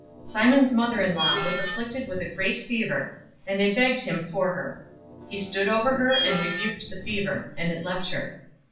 Simon's mother in law was afflicted with a great fever, and they begged him for her. 004:039 He stood over her, and rebuked the fever; and it left her.